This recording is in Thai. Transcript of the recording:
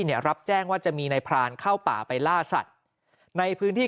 เนี่ยรับแจ้งว่าจะมีนายพรานเข้าป่าไปล่าสัตว์ในพื้นที่